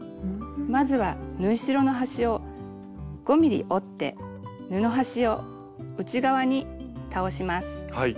まずは縫い代の端を５ｍｍ折って布端を内側に倒します。